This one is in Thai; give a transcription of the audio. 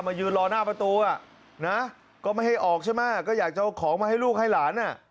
ยืนรอหน้าประตูอ่ะนะก็ไม่ให้ออกใช่ไหมก็อยากจะเอาของมาให้ลูกให้หลานอ่ะ